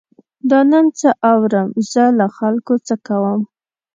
دا نن څه اورم، زه له خلکو څه کوم.